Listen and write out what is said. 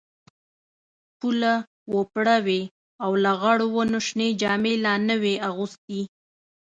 پوله وپړه وې او لغړو ونو شنې جامې لا نه وې اغوستي.